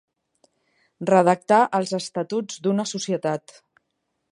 Redactar els estatuts d'una societat.